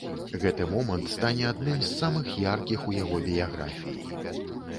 Гэты момант стане адным з самых яркіх у яго біяграфіі.